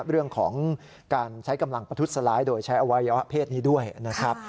เรื่องของการใช้กำลังประทุษร้ายโดยใช้อวัยวะเพศนี้ด้วยนะครับ